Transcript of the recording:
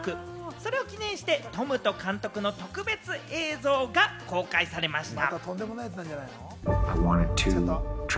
それを記念して、トムと監督の特別映像が公開されました。